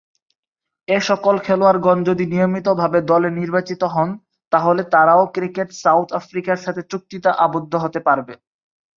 এ সকল খেলোয়াড়গণ যদি নিয়মিতভাবে দলে নির্বাচিত হন, তাহলে তারাও ক্রিকেট সাউথ আফ্রিকা’র সাথে চুক্তিতে আবদ্ধ হতে পারবে।